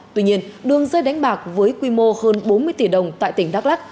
tuy nhiên đường dây đánh bạc với quy mô hơn bốn mươi tỷ đồng tại tỉnh đắk lắc